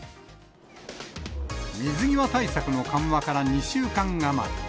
水際対策の緩和から２週間余り。